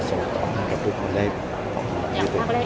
ส่งต่อด้วย